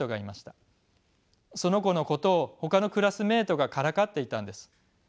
その子のことをほかのクラスメートがからかっていたんです。